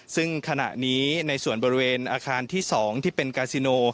ซึ่งขณะนี้ในส่วนบริเวณอาคารที่๒ที่เป็นกาซิโน